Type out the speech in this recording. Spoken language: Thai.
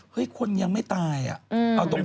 คนยังไม่ตายอ่ะเอาตรง